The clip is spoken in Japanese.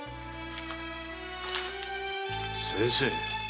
先生！